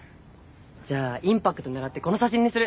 じゃあインパクト狙ってこの写真にする！